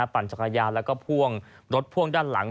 ปั่นจักรยานแล้วก็พ่วงรถพ่วงด้านหลัง